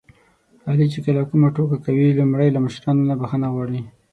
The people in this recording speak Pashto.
علي چې کله کومه ټوکه کوي لومړی له مشرانو نه بښنه غواړي.